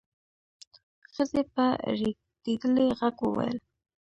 ښځې په رېږدېدلي غږ وويل: